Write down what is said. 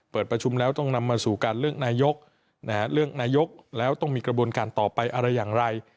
ประชุมแล้วต้องนำมาสู่การเลือกนายกเลือกนายกแล้วต้องมีกระบวนการต่อไปอะไรอย่างไร